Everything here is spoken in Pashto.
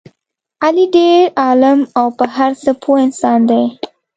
علي ډېر عالم او په هر څه پوه انسان دی.